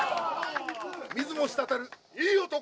水も滴るいい男